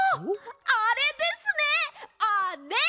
あれですねあれ！